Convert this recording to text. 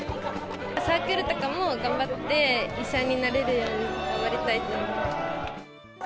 サークルとかも頑張って医者になれるように頑張りたいと思います。